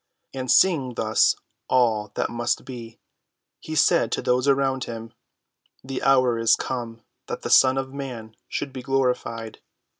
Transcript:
And seeing thus all that must be, he said to those about him: "The hour is come that the Son of man should be glorified."